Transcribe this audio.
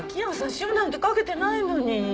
塩なんてかけてないのに。